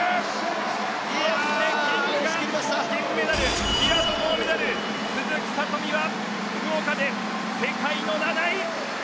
そしてキングが銀メダルピラトが銅メダル鈴木聡美は福岡で世界の７位。